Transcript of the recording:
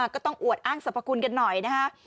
ก็ต้องอวดอ้างสรรพคุณกันหน่อยนะฮะ